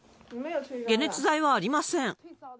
解熱剤はありません。